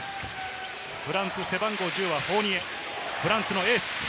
フランス背番号１０はフォーニエ、フランスのエース。